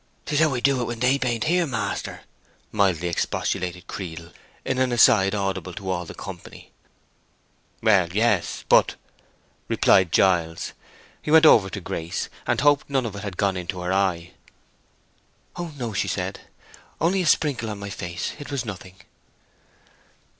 "'Tis how I do it when they baint here, maister," mildly expostulated Creedle, in an aside audible to all the company. "Well, yes—but—" replied Giles. He went over to Grace, and hoped none of it had gone into her eye. "Oh no," she said. "Only a sprinkle on my face. It was nothing."